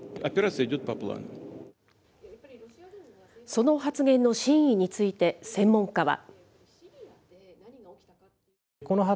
その発言の真意について、専門家は。